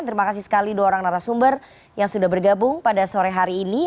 terima kasih sekali dua orang narasumber yang sudah bergabung pada sore hari ini